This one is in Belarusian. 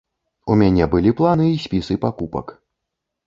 У мяне былі планы і спісы пакупак.